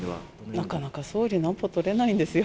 なかなか総理のアポ取れないんですよ。